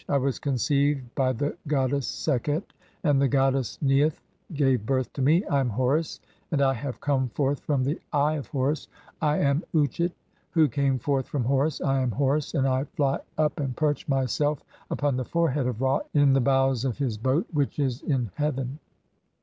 I was conceived by (2) the goddess Sekhet, "and the goddess Neith gave birth to me, I am Horus, and [I '•have] (3) come forth from the Eye of Horus. I am Uatchit "who came forth from Horus. I am Horus and I fly up (4) "and perch myself upon the forehead of Ra in the bows of his "boat which is in heaven."